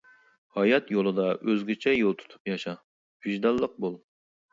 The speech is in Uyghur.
ھايات يولىدا ئۆزگىچە يول تۇتۇپ ياشا. ۋىجدانلىق بول.